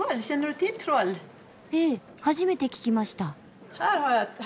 ええ初めて聞きました。